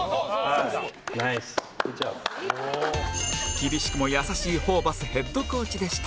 厳しくも優しいホーバスヘッドコーチでした